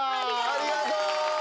ありがとう！